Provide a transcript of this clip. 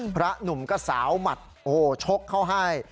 หนุ่มก็สาวหมัดโอ้โหชกเข้าให้